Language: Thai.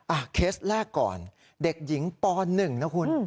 เคสแรกก่อนเด็กหญิงป๑นะคุณ